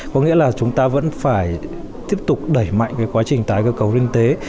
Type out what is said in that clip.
có nghĩa là chúng ta vẫn phải tiếp tục đẩy mạnh quá trình tái cơ cấu liên tế